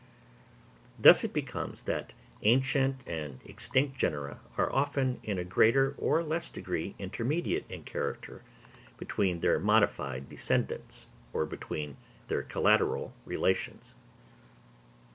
Thus it comes that ancient and extinct genera are often in a greater or less degree intermediate in character between their modified descendants, or between their collateral relations.